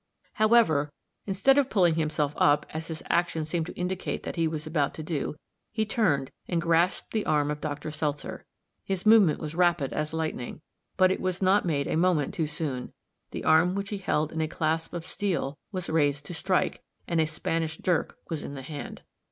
However, instead of pulling himself up, as his action seemed to indicate that he was about to do, he turned and grasped the arm of Dr. Seltzer. His movement was rapid as lightning, but it was not made a moment too soon. The arm which he held in a clasp of steel was raised to strike, and a Spanish dirk was in the hand.